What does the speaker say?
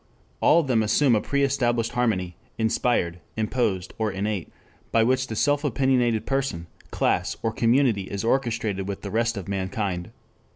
All of them assume a pre established harmony, inspired, imposed, or innate, by which the self opinionated person, class, or community is orchestrated with the rest of mankind.